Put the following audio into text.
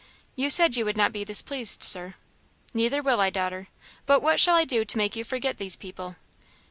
"You said you would not be displeased, Sir." "Neither will I, daughter; but what shall I do to make you forget these people?"